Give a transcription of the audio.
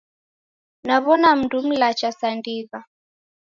Naw'ona mundu mlacha sa ndigha